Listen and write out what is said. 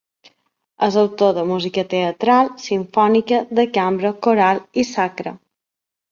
És autor de música teatral, simfònica, de cambra, coral i sacra.